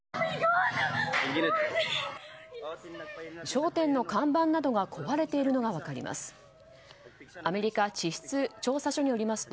商店の看板などが壊れているのが分かります。